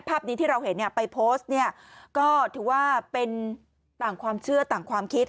ภาพนี้ที่เราเห็นเนี่ยไปโพสต์เนี่ยก็ถือว่าเป็นต่างความเชื่อต่างความคิด